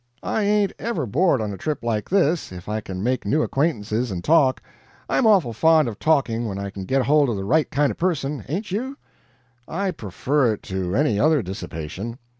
I ain't ever bored, on a trip like this, if I can make new acquaintances and talk. I'm awful fond of talking when I can get hold of the right kind of a person, ain't you?" "I prefer it to any other dissipation."